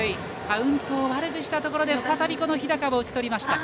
カウントを悪くしたところで再び、日高を打ち取りました。